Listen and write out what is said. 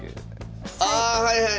ああはいはい！